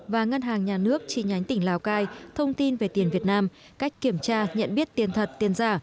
và ngân hàng nhà nước chi nhánh tỉnh lào cai thông tin về tiền việt nam cách kiểm tra nhận biết tiền thật tiền giả